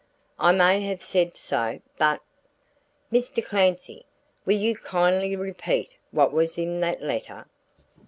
"I may have said so but " "Mr. Clancy, will you kindly repeat what was in that letter."